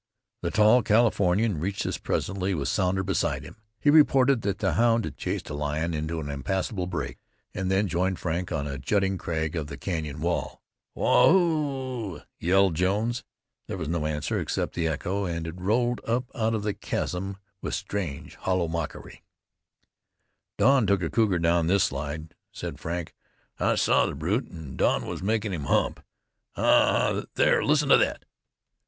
The tall Californian reached us presently with Sounder beside him. He reported that the hound had chased a lion into an impassable break. We then joined Frank on a jutting crag of the canyon wall. "Waa hoo!" yelled Jones. There was no answer except the echo, and it rolled up out of the chasm with strange, hollow mockery. "Don took a cougar down this slide," said Frank. "I saw the brute, an' Don was makin' him hump. A ha! There! Listen to thet!"